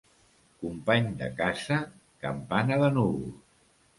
Company de casa, campana de núvols.